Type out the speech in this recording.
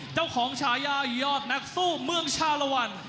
เจ้าของชายายอดนักสู้เมืองชาวละวัน